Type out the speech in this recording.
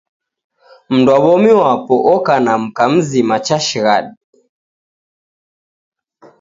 Mundu wa w'omi wapo oka na mka mzima cha shighadi